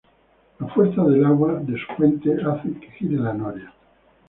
La fuerza del agua de su fuente hace que gire la noria.